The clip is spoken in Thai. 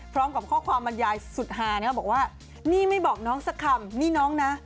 พร้อมกับข้อความบรรยายสุดฮานะบอกว่านี่ไม่บอกน้องสักคำนี่น้องนะ